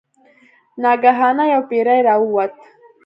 ناګهانه یو پیری راووت.